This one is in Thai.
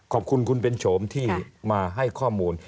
ขอบคุณคุณเป็นโฉมที่มาให้ข้อมูล